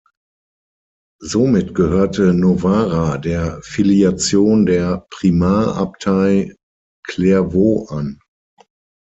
Somit gehörte Novara der Filiation der Primarabtei Clairvaux an.